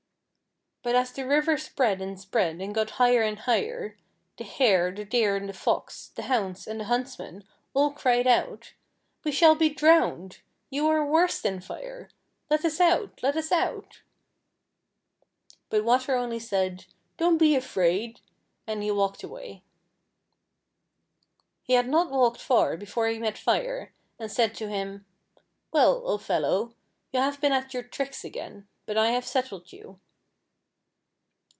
But as the river spread and spread and got hij; her and luL^her, tlie Hare, the Deer, the Fox, the hounds, and the luintsmen all cried out, " We shall be drowned. You are worse than Fire. Let us out — let us out !" But Water only said, "Don't be afraid!" and he walked away. He had not walked far before he met Fire, and said to him, *' Well, old fellow, you have been at your tricks again ; but I have settled you."